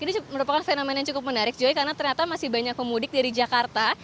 ini merupakan fenomena yang cukup menarik joy karena ternyata masih banyak pemudik dari jakarta